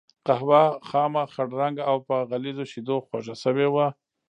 قهوه خامه، خړ رنګه او په غليظو شیدو خوږه شوې وه.